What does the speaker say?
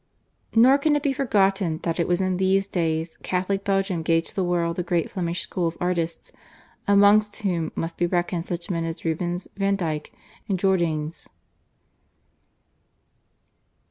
Nor can it be forgotten that it was in these days Catholic Belgium gave to the world the great Flemish school of artists, amongst whom must be reckoned such men as Rubens, Van Dyck, and Jordaens.